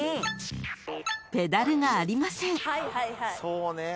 ［ペダルがありません］